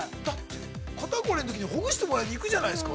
◆肩凝りのときに、ほぐしてもらいに行くじゃないですか。